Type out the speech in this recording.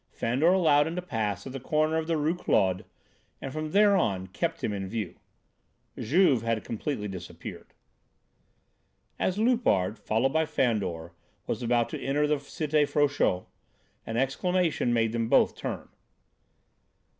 Fandor allowed him to pass at the corner of the Rue Claude, and from there on kept him in view. Juve had completely disappeared. As Loupart, followed by Fandor, was about to enter the Cité Frochot, an exclamation made them both turn.